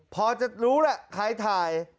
พอจะรู้แหละใครถ่าย